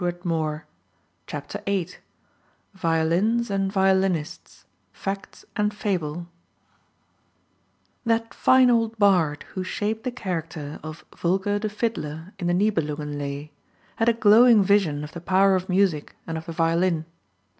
[Illustration: PAGANINI] VIII Violins and Violinists Fact and Fable That fine old bard who shaped the character of Volker the Fiddler in the Nibelungen Lay, had a glowing vision of the power of music and of the violin.